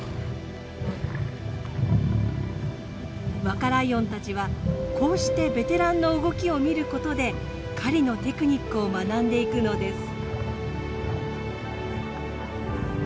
若ライオンたちはこうしてベテランの動きを見ることで狩りのテクニックを学んでいくのです。